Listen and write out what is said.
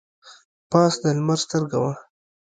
پاس د لمر سترګه وه.